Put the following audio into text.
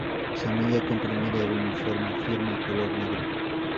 Semilla comprimida reniforme, firme, color negro.